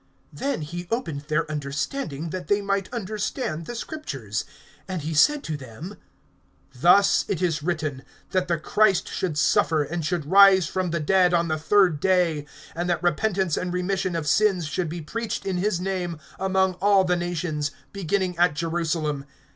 (45)Then he opened their understanding, that they might understand the Scriptures. (46)And he said to them: Thus it is written, that the Christ should suffer, and should rise from the dead on the third day; (47)and that repentance and remission of sins should be preached in his name among all the nations, beginning at Jerusalem.